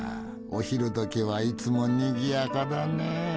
お昼どきはいつもにぎやかだね。